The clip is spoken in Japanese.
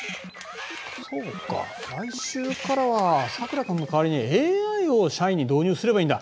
そうか来週からはさくら君の代わりにＡＩを社員に導入すればいいんだ。